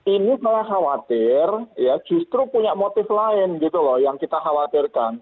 ini malah khawatir ya justru punya motif lain gitu loh yang kita khawatirkan